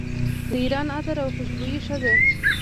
د ایران عطر او خوشبویي ښه ده.